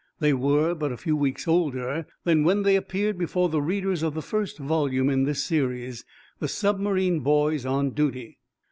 They were but a few weeks older than when they appeared before the readers of the first volume in this series, "The Submarine Boys On Duty."